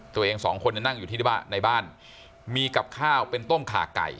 ตัวเองสองคนนั่งอยู่ที่บ้านในบ้านมีกับข้าวเป็นต้มขาไก่